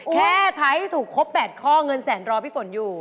ท้ายให้ถูกครบ๘ข้อเงินแสนรอพี่ฝนอยู่